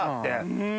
うん。